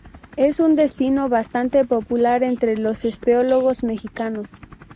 Es un destino bastante popular entre los espeleólogos mexicanos.